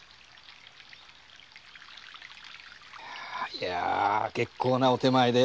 いや結構なお点前で。